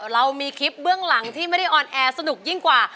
เรามีคลิปเบื้องหลังที่ไม่ได้ออนแอร์สนุกยิ่งกว่า